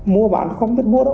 mua bán không biết mua đâu